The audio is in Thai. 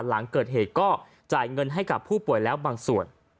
หลังเกิดเหตุก็จ่ายเงินให้กับผู้ป่วยแล้วบางส่วน